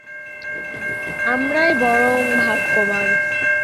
আমরাই বরং ভাগ্যবান।